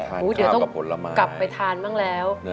ทานข้าวกับผลไม้เดี๋ยวต้องกลับไปทานบ้างแล้ว